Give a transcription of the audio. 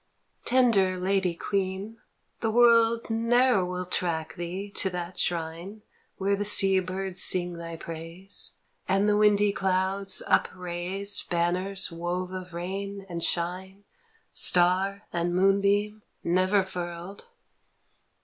" Tender Lady Queen, the world Ne'er will track thee to that shrine Where the sea birds sing thy praise, And the windy clouds upraise Banners wove of rain and shine, Star and moonbeam, never furled